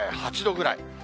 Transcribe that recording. ８度ぐらい。